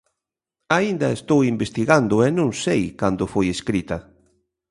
Aínda estou investigando e non sei cando foi escrita.